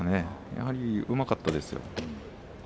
やはりうまかったですよ。